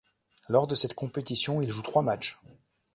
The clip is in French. Lors de cette compétition, il joue trois matchs.